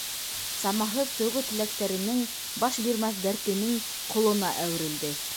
Самаһыҙ тойғо-теләктәренең, баш бирмәҫ дәртенең ҡолона әүерелде.